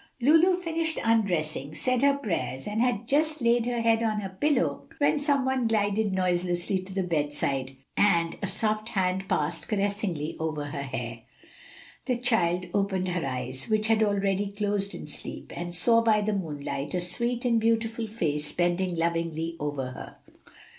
Lulu finished undressing, said her prayers, and had just laid her head on her pillow, when some one glided noiselessly to the bedside and a soft hand passed caressingly over her hair. The child opened her eyes, which had already closed in sleep, and saw by the moonlight a sweet and beautiful face bending lovingly over her.